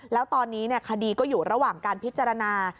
แล้วตอนนี้คดีก็อยู่ระหว่างการพิจารณา